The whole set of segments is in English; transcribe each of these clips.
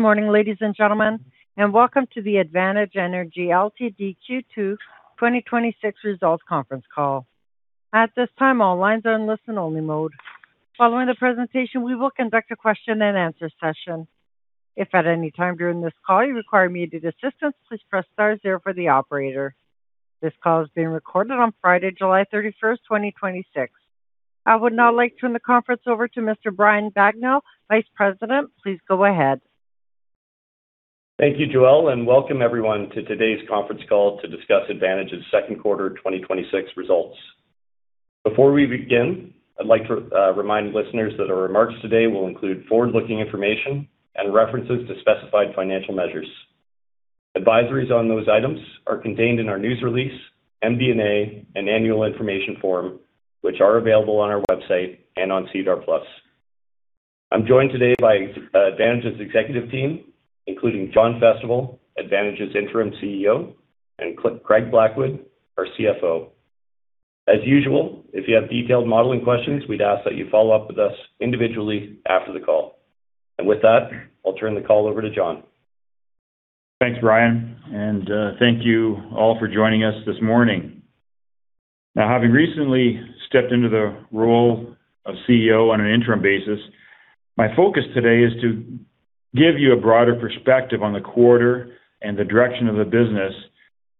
Morning, ladies and gentlemen, welcome to the Advantage Energy Ltd Q2 2026 results conference call. At this time, all lines are in listen-only mode. Following the presentation, we will conduct a question-and-answer session. If at any time during this call you require immediate assistance, please press star zero for the operator. This call is being recorded on Friday, July 31st, 2026. I would now like to turn the conference over to Mr. Brian Bagnell, Vice President. Please go ahead. Thank you, Joelle, welcome everyone to today's conference call to discuss Advantage's second quarter 2026 results. Before we begin, I'd like to remind listeners that our remarks today will include forward-looking information and references to specified financial measures. Advisories on those items are contained in our news release, MD&A, and annual information form, which are available on our website and on SEDAR+. I'm joined today by Advantage's executive team, including John Festival, Advantage's Interim CEO, and Craig Blackwood, our CFO. As usual, if you have detailed modeling questions, we'd ask that you follow up with us individually after the call. With that, I'll turn the call over to John. Thanks, Brian, thank you all for joining us this morning. Now, having recently stepped into the role of CEO on an interim basis, my focus today is to give you a broader perspective on the quarter and the direction of the business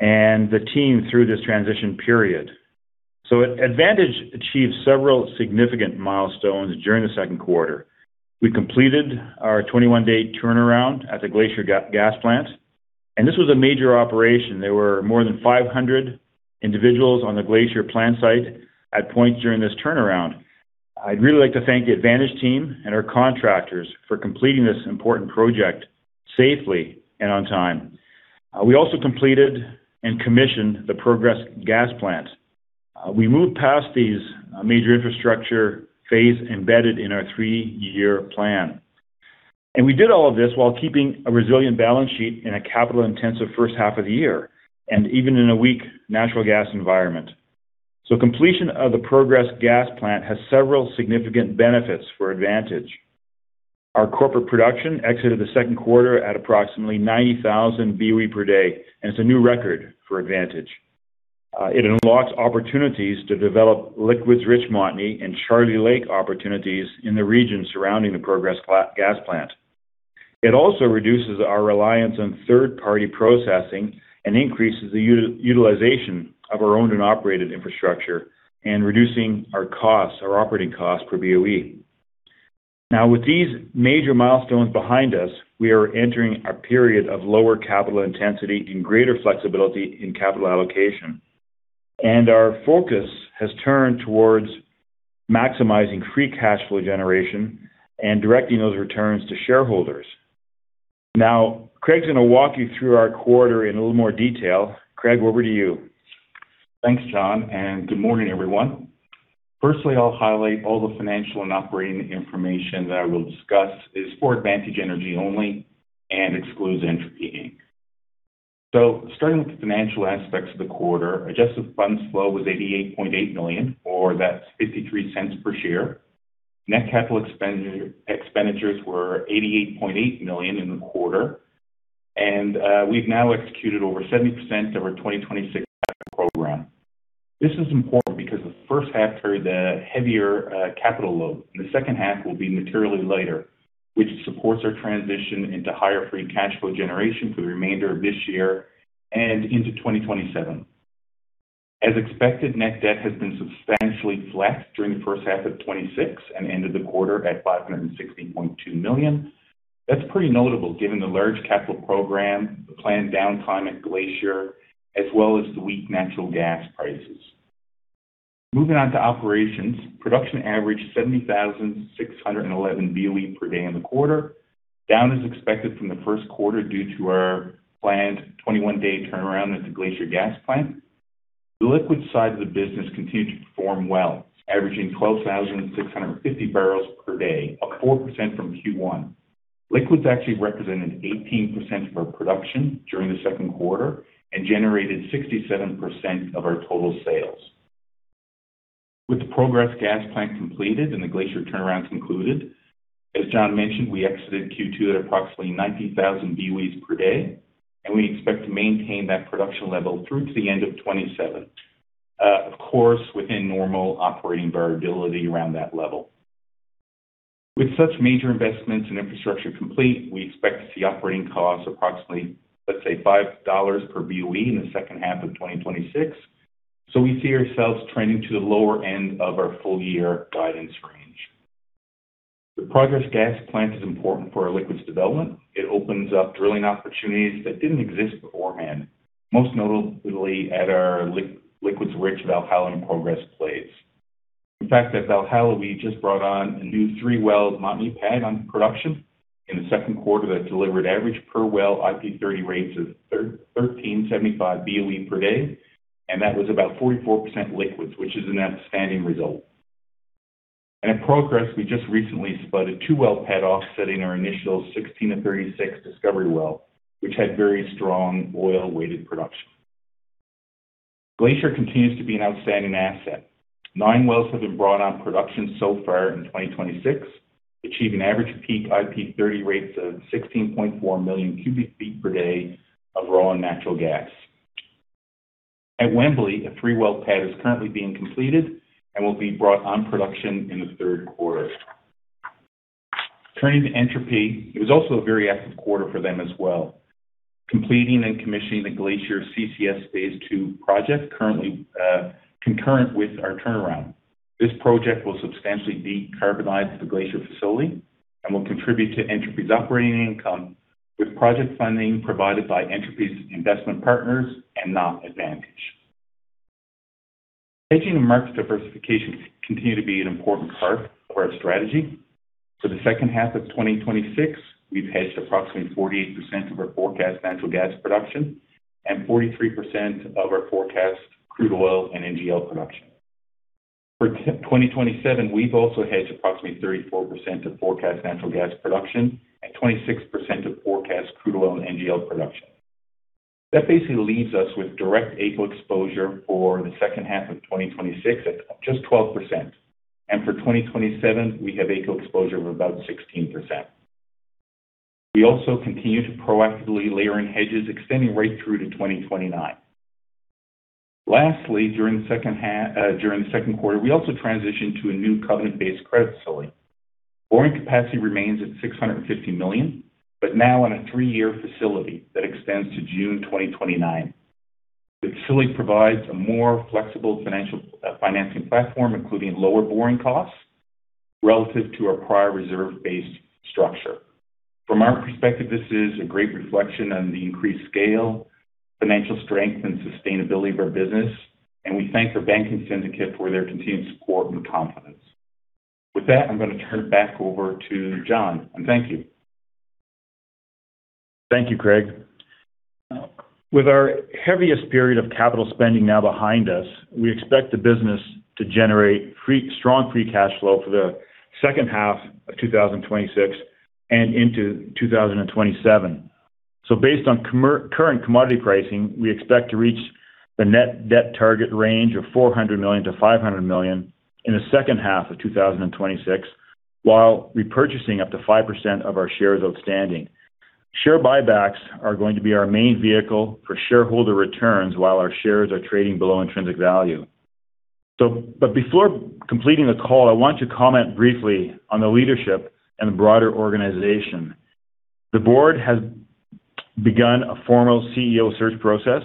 and the team through this transition period. Advantage achieved several significant milestones during the second quarter. We completed our 21-day turnaround at the Glacier Gas Plant. This was a major operation. There were more than 500 individuals on the Glacier plant site at points during this turnaround. I'd really like to thank the Advantage team and our contractors for completing this important project safely and on time. We also completed and commissioned the Progress Gas Plant. We moved past these major infrastructure phase embedded in our three-year plan. We did all of this while keeping a resilient balance sheet in a capital-intensive first half of the year, and even in a weak natural gas environment. Completion of the Progress Gas Plant has several significant benefits for Advantage. Our corporate production exited the second quarter at approximately 90,000 BOE per day. It's a new record for Advantage. It unlocks opportunities to develop liquids rich Montney and Charlie Lake opportunities in the region surrounding the Progress Gas Plant. It also reduces our reliance on third-party processing and increases the utilization of our owned and operated infrastructure and reducing our costs, our operating costs per BOE. Now with these major milestones behind us, we are entering a period of lower capital intensity and greater flexibility in capital allocation. Our focus has turned towards maximizing free cash flow generation and directing those returns to shareholders. Craig is going to walk you through our quarter in a little more detail. Craig, over to you. Thanks, John, good morning, everyone. Firstly, I will highlight all the financial and operating information that I will discuss is for Advantage Energy only and excludes Entropy Inc. Starting with the financial aspects of the quarter, adjusted funds flow was 88.8 million, or that is CAD 0.53 per share. Net capital expenditures were 88.8 million in the quarter. We have now executed over 70% of our 2026 capital program. This is important because the first half carried the heavier capital load. The second half will be materially lighter, which supports our transition into higher free cash flow generation for the remainder of this year and into 2027. As expected, net debt has been substantially flat during the first half of 2026 and ended the quarter at 560.2 million. That is pretty notable given the large capital program, the planned downtime at Glacier, as well as the weak natural gas prices. Moving on to operations. Production averaged 70,611 BOE per day in the quarter, down as expected from the first quarter due to our planned 21-day turnaround at the Glacier Gas Plant. The liquid side of the business continued to perform well, averaging 12,650 bpd, up 4% from Q1. Liquids actually represented 18% of our production during the second quarter and generated 67% of our total sales. With the Progress Gas Plant completed and the Glacier turnaround concluded, as John mentioned, we exited Q2 at approximately 90,000 BOEs per day, and we expect to maintain that production level through to the end of 2027. Of course, within normal operating variability around that level. With such major investments in infrastructure complete, we expect to see operating costs approximately, let us say, 5 dollars per BOE in the second half of 2026. We see ourselves trending to the lower end of our full-year guidance range. The Progress Gas Plant is important for our liquids development. It opens up drilling opportunities that did not exist beforehand, most notably at our liquids-rich Valhalla and Progress plays. In fact, at Valhalla, we just brought on a new three-well Montney pad on production in the second quarter that delivered average per well IP 30 rates of 1,375 BOE per day, and that was about 44% liquids, which is an outstanding result. At Progress, we just recently spudded a two-well pad offsetting our initial 16-36 discovery well, which had very strong oil-weighted production Glacier continues to be an outstanding asset. Nine wells have been brought on production so far in 2026, achieving average peak IP 30 rates of 16.4 million cubic feet per day of raw natural gas. At Wembley, a three-well pad is currently being completed and will be brought on production in the third quarter. Turning to Entropy, it was also a very active quarter for them as well, completing and commissioning the Glacier CCS phase II project concurrent with our turnaround. This project will substantially decarbonize the Glacier facility and will contribute to Entropy's operating income with project funding provided by Entropy's investment partners and not Advantage. Hedging and market diversification continue to be an important part of our strategy. For the second half of 2026, we've hedged approximately 48% of our forecast natural gas production and 43% of our forecast crude oil and NGL production. For 2027, we've also hedged approximately 34% of forecast natural gas production and 26% of forecast crude oil and NGL production. That basically leaves us with direct AECO exposure for the second half of 2026 at just 12%, and for 2027, we have AECO exposure of about 16%. We also continue to proactively layer in hedges extending right through to 2029. Lastly, during the second quarter, we also transitioned to a new covenant-based credit facility. Borrowing capacity remains at 650 million, but now in a three-year facility that extends to June 2029. The facility provides a more flexible financing platform, including lower borrowing costs relative to our prior reserve-based structure. From our perspective, this is a great reflection on the increased scale, financial strength, and sustainability of our business, and we thank our banking syndicate for their continued support and confidence. With that, I'm going to turn it back over to John. Thank you. Thank you, Craig. With our heaviest period of capital spending now behind us, we expect the business to generate strong free cash flow for the second half of 2026 and into 2027. Based on current commodity pricing, we expect to reach the net debt target range of 400 million-500 million in the second half of 2026 while repurchasing up to 5% of our shares outstanding. Share buybacks are going to be our main vehicle for shareholder returns while our shares are trading below intrinsic value. Before completing the call, I want to comment briefly on the leadership and the broader organization. The Board has begun a formal CEO search process,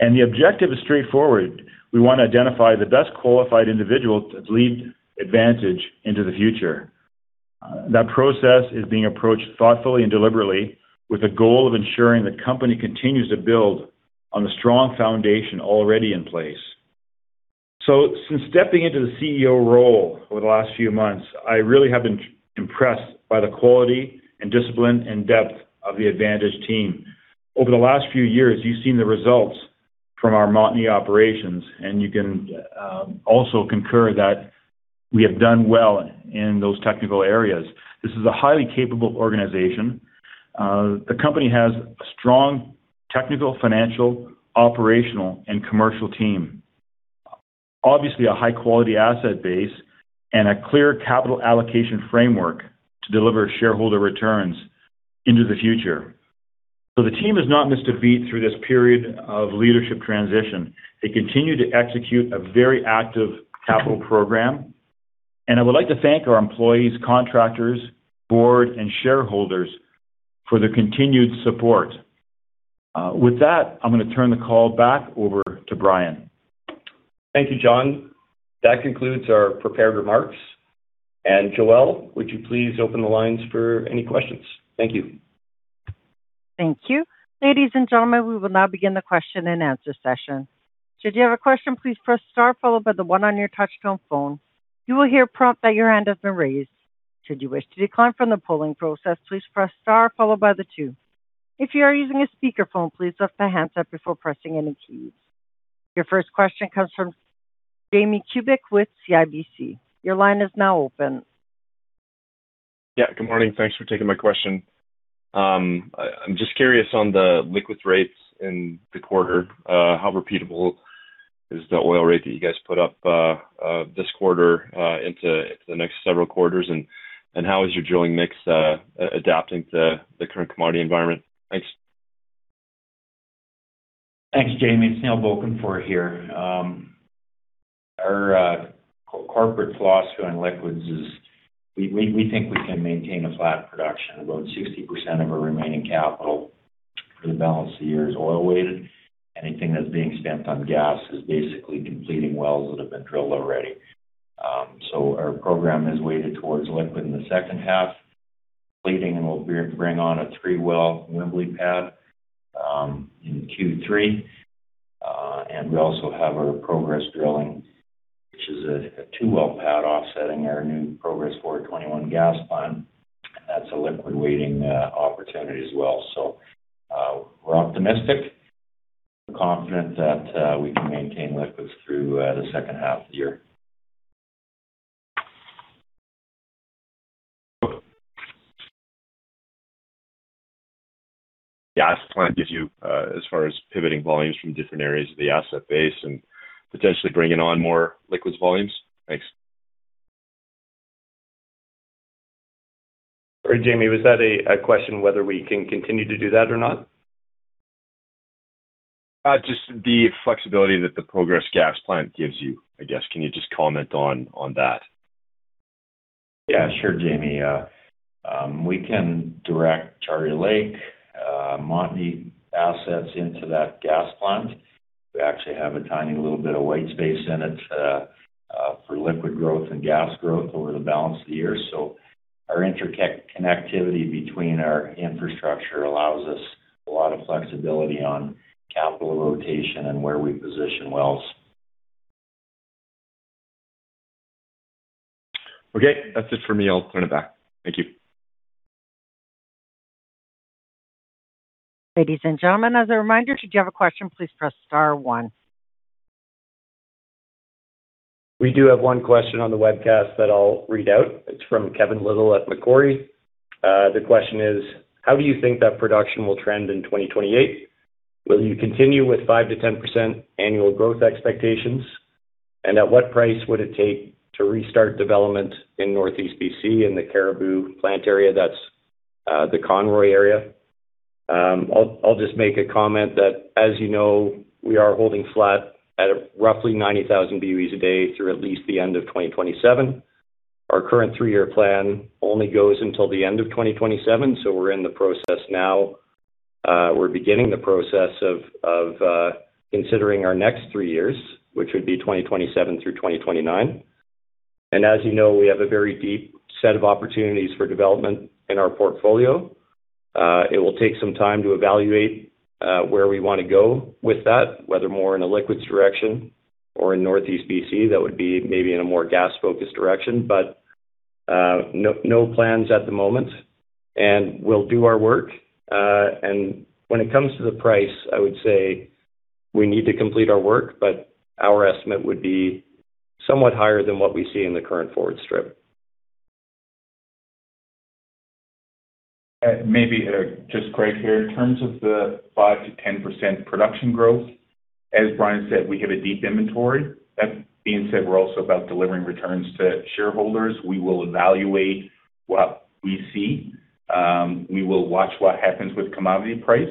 and the objective is straightforward. We want to identify the best qualified individual to lead Advantage into the future. That process is being approached thoughtfully and deliberately with the goal of ensuring the company continues to build on the strong foundation already in place. Since stepping into the CEO role over the last few months, I really have been impressed by the quality and discipline and depth of the Advantage team. Over the last few years, you've seen the results from our Montney operations, and you can also concur that we have done well in those technical areas. This is a highly capable organization. The company has a strong technical, financial, operational, and commercial team, obviously a high-quality asset base, and a clear capital allocation framework to deliver shareholder returns into the future. The team has not missed a beat through this period of leadership transition. They continue to execute a very active capital program, I would like to thank our employees, contractors, Board, and shareholders for their continued support. With that, I'm going to turn the call back over to Brian. Thank you, John. That concludes our prepared remarks. Joelle, would you please open the lines for any questions? Thank you. Thank you. Ladies and gentlemen, we will now begin the question-and-answer session. Should you have a question, please press star followed by the one on your touchtone phone. You will hear a prompt that your hand has been raised. Should you wish to decline from the polling process, please press star followed by the two. If you are using a speakerphone, please lift the handset before pressing any keys. Your first question comes from Jamie Kubik with CIBC. Your line is now open. Yeah, good morning. Thanks for taking my question. I'm just curious on the liquids rates in the quarter. How repeatable is the oil rate that you guys put up this quarter into the next several quarters, how is your drilling mix adapting to the current commodity environment? Thanks. Thanks, Jamie. It's Neil Bokenfohr here. Our corporate philosophy on liquids is we think we can maintain a flat production. About 60% of our remaining capital for the balance of the year is oil weighted. Anything that's being spent on gas is basically completing wells that have been drilled already. Our program is weighted towards liquid in the second half. Completing, and we'll bring on a three-well Wembley pad in Q3. We also have our Progress drilling, which is a two-well pad offsetting our new Progress 421 Gas Plant, and that's a liquid weighting opportunity as well. We're optimistic and confident that we can maintain liquids through the second half of the year. The gas plant gives you, as far as pivoting volumes from different areas of the asset base and potentially bringing on more liquids volumes? Thanks. Jamie, was that a question whether we can continue to do that or not? Just the flexibility that the Progress Gas Plant gives you, I guess. Can you just comment on that? Yeah. Sure, Jamie. We can direct Charlie Lake, Montney assets into that gas plant. We actually have a tiny little bit of white space in it for liquid growth and gas growth over the balance of the year. Our interconnectivity between our infrastructure allows us a lot of flexibility on capital rotation and where we position wells. Okay. That's it for me. I'll turn it back. Thank you. Ladies and gentlemen, as a reminder, should you have a question, please press star one. We do have one question on the webcast that I'll read out. It's from Kevin Little at Macquarie. The question is, how do you think that production will trend in 2028? Will you continue with 5%-10% annual growth expectations? At what price would it take to restart development in Northeast B.C., in the Caribou plant area? That's the Conroy area. I'll just make a comment that, as you know, we are holding flat at roughly 90,000 BOE a day through at least the end of 2027. Our current three-year plan only goes until the end of 2027, so we're in the process now. We're beginning the process of considering our next three years, which would be 2027 through 2029. As you know, we have a very deep set of opportunities for development in our portfolio. It will take some time to evaluate where we want to go with that, whether more in a liquids direction or in Northeast B.C., that would be maybe in a more gas-focused direction. No plans at the moment, and we'll do our work. When it comes to the price, I would say we need to complete our work, but our estimate would be somewhat higher than what we see in the current forward strip. Maybe just Craig here. In terms of the 5%-10% production growth, as Brian said, we have a deep inventory. That being said, we're also about delivering returns to shareholders. We will evaluate what we see. We will watch what happens with commodity price.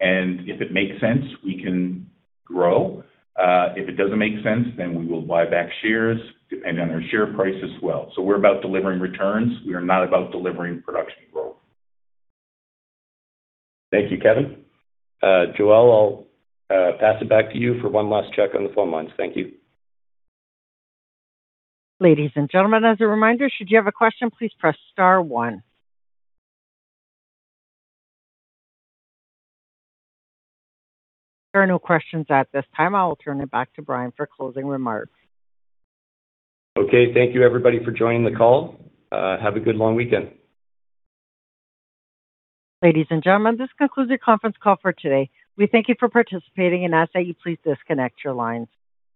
If it makes sense, we can grow. If it doesn't make sense, we will buy back shares, depending on our share price as well. We're about delivering returns. We are not about delivering production growth. Thank you, Kevin. Joelle, I'll pass it back to you for one last check on the phone lines. Thank you. Ladies and gentlemen, as a reminder, should you have a question, please press star one. There are no questions at this time. I will turn it back to Brian for closing remarks. Okay. Thank you, everybody, for joining the call. Have a good long weekend. Ladies and gentlemen, this concludes your conference call for today. We thank you for participating and ask that you please disconnect your lines.